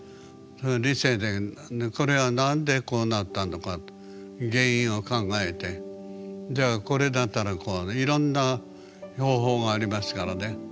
その理性でこれは何でこうなったのか原因を考えてじゃあこれだったらこういろんな方法がありますからね。